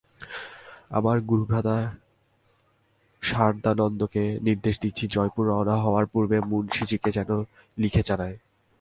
আমার গুরুভ্রাতা সারদানন্দকে নির্দেশ দিচ্ছি, জয়পুর রওনা হবার পূর্বে মুন্সীজীকে যেন লিখে জানায়।